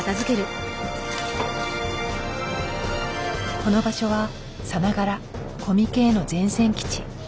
この場所はさながらコミケへの前線基地。